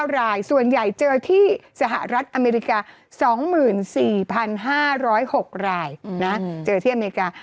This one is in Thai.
รายส่วนใหญ่เจอที่สหรัฐอเมริกา๒๔๕๐๖รายเจอที่อเมริกา